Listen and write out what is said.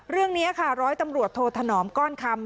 เรื่องนี้ค่ะร้อยตำรวจโทธนอมก้อนคำ